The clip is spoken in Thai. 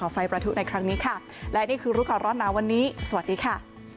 ไฟประทุในครั้งนี้ค่ะและนี่คือรู้ก่อนร้อนหนาวันนี้สวัสดีค่ะ